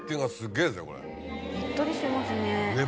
ねっとりしてますね。